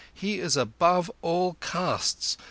He is above all castes.